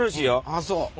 あっそう。